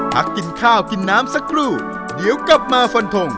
พักกินข้าวกินน้ำสักครู่เดี๋ยวกลับมาฟันทง